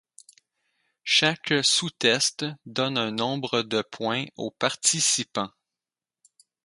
Chaque sous-test donne un nombre de points au participant.